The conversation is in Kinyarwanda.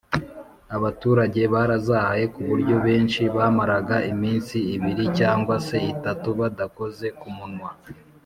abaturage barazahaye ku buryo benshi bamaraga iminsi ibir cyangwa se itatu badakoze ku munwa.